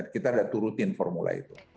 kita sudah turutin formulanya